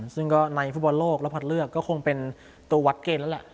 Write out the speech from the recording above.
ซึ่งก็ในฟุตบอลโลกแล้วพัดเลือกก็คงเป็นตัววัดเกณฑ์แล้วแหละ